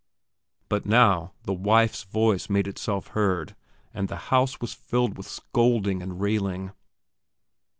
But now the wife's voice made itself heard, and the house was filled with scolding and railing.